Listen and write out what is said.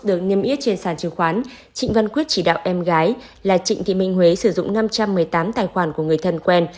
được niêm yết trên sản chứng khoán trịnh văn quyết chỉ đạo em gái là trịnh thị minh huế sử dụng năm trăm một mươi tám tài khoản của người thân quen